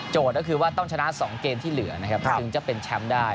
ก็คือว่าต้องชนะ๒เกมที่เหลือนะครับถึงจะเป็นแชมป์ได้